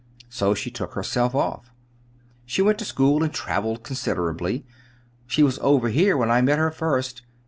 So she took herself off. She went to school, and travelled considerably. She was over here when I met her first.